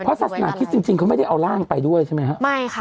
ศาสนาคิดจริงจริงเขาไม่ได้เอาร่างไปด้วยใช่ไหมฮะไม่ค่ะ